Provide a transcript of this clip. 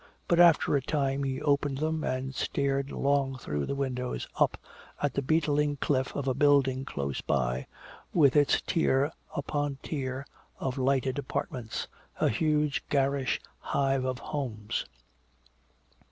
But after a time he opened them and stared long through the window up at the beetling cliff of a building close by, with its tier upon tier of lighted apartments, a huge garish hive of homes.